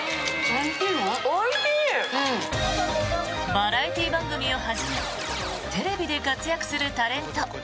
バラエティー番組をはじめテレビで活躍するタレント